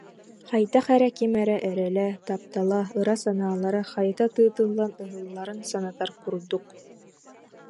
Хайдах эрэ ким эрэ эрэлэ, таптала, ыра санаалара хайыта тыытыллан ыһылларын санатар курдук